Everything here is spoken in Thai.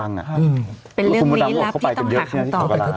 เป็นเรื่องนี้นะคะพี่ต้องหาคำตอบ